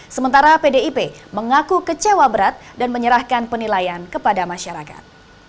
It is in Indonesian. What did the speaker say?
sementara pdip mengaku kecewa berat dan menyerahkan penilaian kepada masyarakat